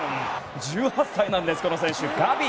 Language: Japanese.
１８歳なんです、この選手ガビ。